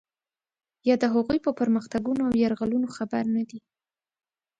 یا د هغوی په پرمختګونو او یرغلونو خبر نه دی.